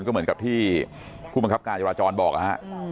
ก็เหมือนกับที่ผู้บังคับการจราจรบอกนะฮะ